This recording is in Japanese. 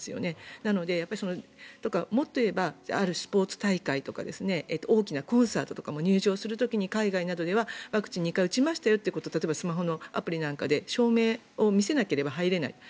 なのでもっと言えばあるスポーツ大会とか大きなコンサートとかも入場する時に海外などではワクチンを２回打ちましたよということをスマホのアプリなんかで証明を見せなければ入れない。